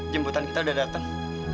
jemputan kita udah dateng